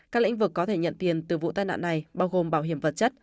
các lĩnh vực có thể nhận tiền từ vụ tai nạn này bao gồm bảo hiểm vật chất